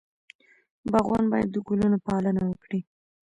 باغوان باید د ګلونو پالنه وکړي.